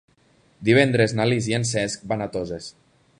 Divendres na Lis i en Cesc van a Toses.